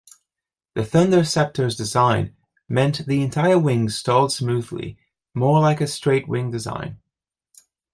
The Thunderceptor's design meant the entire wing stalled smoothly, more like a straight-wing design.